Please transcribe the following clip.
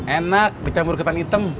enak bicaram buruk ketan hitam